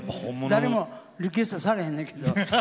誰もリクエストされへんのやけど。